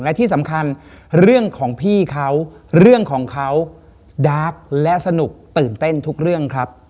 และที่สำคัญเรื่องของพี่เขาเรื่องของเขาดาร์กและสนุกตื่นเต้นทุกเรื่องครับ